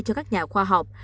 cho các nhà khoa học